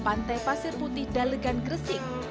pantai pasir putih dalegan gresik